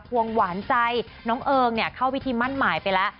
วงหวานใจน้องเอิงเข้าพิธีมั่นหมายไปแล้ว